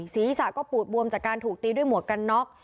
ศีรษะก็ปูดบวมจากการถูกตีด้วยหมวกกันน็อก